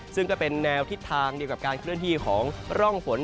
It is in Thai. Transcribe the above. ซึ่งก็เป็นแนวทิศทางเดียวกับการเคลื่อนที่ของร่องฝน